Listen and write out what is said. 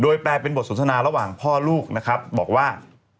โดยเปลี่ยนเป็นบทสนธนาราหว่างพ่อลูกบอกว่า